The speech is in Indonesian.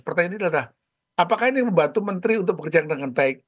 pertanyaan ini adalah apakah ini membantu menteri untuk bekerja dengan baik